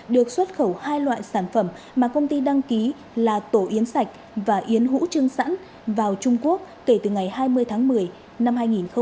được xuất khẩu hai loại sản phẩm mà công ty đăng ký là tổ yến sạch và yến hũ trưng sẵn vào trung quốc kể từ ngày hai mươi tháng một mươi năm hai nghìn một mươi tám